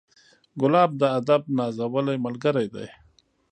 ګلاب د ادب نازولی ملګری دی.